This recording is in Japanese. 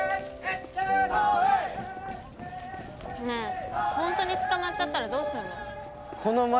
ねえホントに捕まっちゃったらどうすんの？